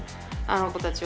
あの子たち？